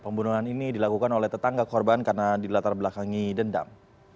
pembunuhan ini dilakukan oleh tetangga korban karena dilatar belakangi dendam